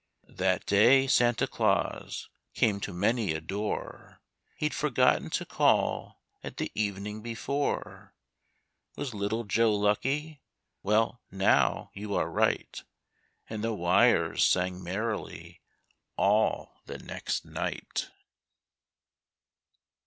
That day Santa Claus came to many a door He'd forgotten to call at the evening before. Was little Joe lucky? Well, now, you are right. And the wires sang merrily all the next night.